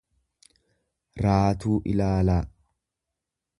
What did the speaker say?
raatuu ilaalaa.